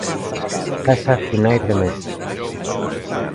Casa a finais de mes.